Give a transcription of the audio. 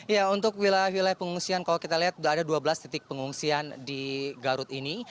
ya untuk wilayah wilayah pengungsian kalau kita lihat ada dua belas titik pengungsian di garut ini